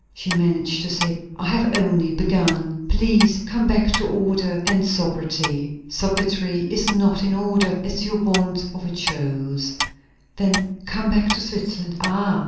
she managed to say. "I have only begun." "Please come back to order, and sobriety." "Sobriety is not in order, as your want of it shows." "Then come back to Switzerland." "Ah!